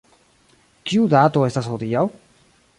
Kiu dato estas hodiaŭ?